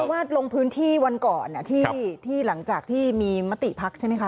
เพราะว่าลงพื้นที่วันก่อนที่หลังจากที่มีมติพักใช่ไหมคะ